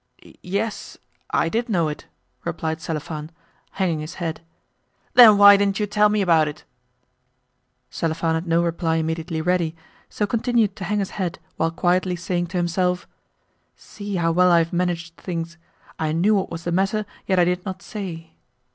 "Yes, I did know it," replied Selifan, hanging his head. "Then why didn't you tell me about it?" Selifan had no reply immediately ready, so continued to hang his head while quietly saying to himself: "See how well I have managed things! I knew what was the matter, yet I did not say."